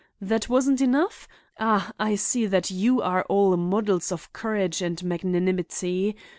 That wasn't enough? Ah, I see that you are all models of courage and magnanimity.